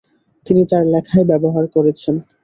তিনি তার লেখায় ব্যবহার করেছেন।